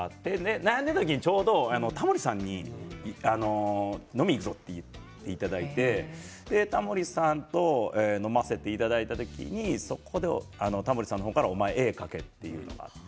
あの時、ちょうどタモリさんに飲みに行くぞと言っていただいてタモリさんと飲ませていただいた時にそこでタモリさんの方からお前、絵を描けと。